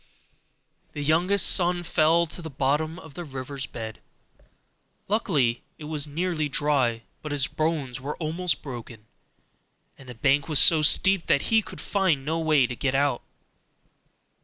The youngest son fell to the bottom of the river's bed: luckily it was nearly dry, but his bones were almost broken, and the bank was so steep that he could find no way to get out.